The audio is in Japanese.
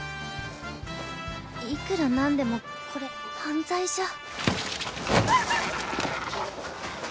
いくら何でもこれ犯罪じゃ